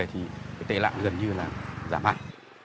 thì tệ lạng gần như là giảm hẳn